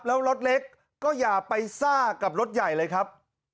แล้วรถเล็กก็อย่าไปซ่ากับรถใหญ่เลยครับ